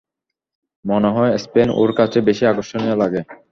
মনে হয় স্পেন ওর কাছে বেশি আকর্ষণীয় লাগে।